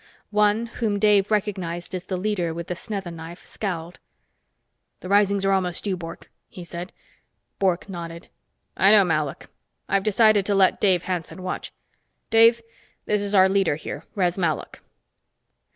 One, whom Dave recognized as the leader with the snetha knife, scowled. "The risings are almost due, Bork," he said. Bork nodded. "I know, Malok. I've decided to let Dave Hanson watch. Dave, this is our leader here, Res Malok."